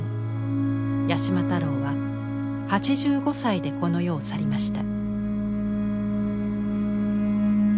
八島太郎は８５歳でこの世を去りました。